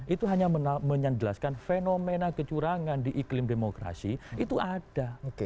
itu hanya menjelaskan fenomena kecurangan di iklim demokrasi itu ada